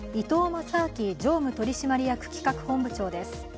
正明常務取締役企画本部長です。